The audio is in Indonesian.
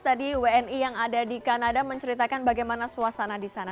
tadi wni yang ada di kanada menceritakan bagaimana suasana di sana